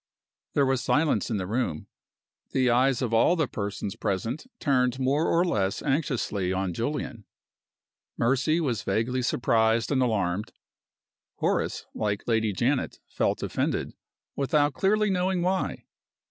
There was silence in the room. The eyes of all the persons present turned more or less anxiously on Julian. Mercy was vaguely surprised and alarmed. Horace, like Lady Janet, felt offended, without clearly knowing why.